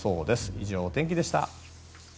以上、お天気でした。